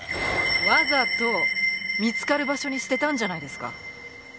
わざと見つかる場所に捨てたんじゃないですか？